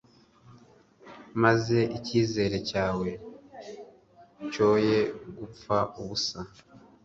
maze icyizere cyawe cyoye gupfa ubusa